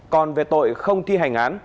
còn về tội không thi hành án